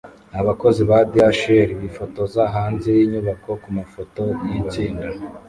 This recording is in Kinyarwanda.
Abakozi ba DHL bifotoza hanze yinyubako kumafoto yitsinda